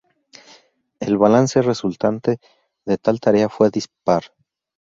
El balance resultante de tal tarea fue dispar.